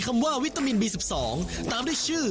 ได้แล้วฟ้าคันโซคุณสองด้วย